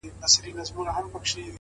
پر ځان باور نیمه بریا ده؛